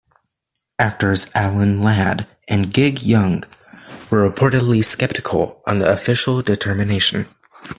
Actors Alan Ladd and Gig Young were reportedly skeptical of the official determination.